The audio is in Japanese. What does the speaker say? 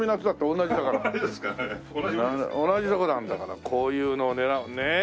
同じとこなんだからこういうのを狙うねっ。